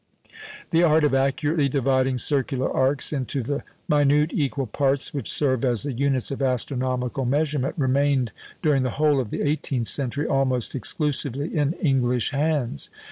The art of accurately dividing circular arcs into the minute equal parts which serve as the units of astronomical measurement, remained, during the whole of the eighteenth century, almost exclusively in English hands.